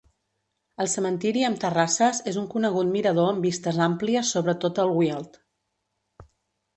El cementiri amb terrasses és un conegut mirador, amb vistes àmplies sobre tot el Weald.